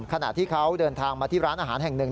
ขณะที่เขาเดินทางมาที่ร้านอาหารแห่งหนึ่ง